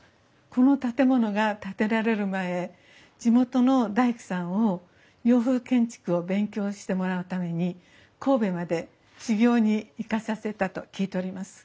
この建物が建てられる前地元の大工さんを洋風建築を勉強してもらうために神戸まで修業に行かさせたと聞いております。